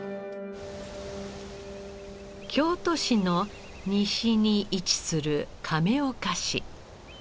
京都市の西に位置する亀岡市。